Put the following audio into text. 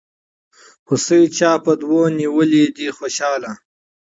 هوسۍ چا په دو نيولې دي خوشحاله